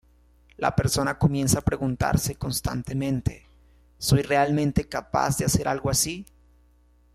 La persona comienza a preguntarse constantemente "¿Soy realmente capaz de hacer algo así?